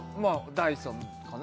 ダイソンかな